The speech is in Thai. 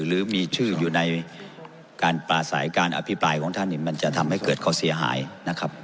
หรือมีชื่ออยู่ในการปลาใสการอภิปรายของท่านมันจะทำให้เกิดเขาเสียหายนะครับ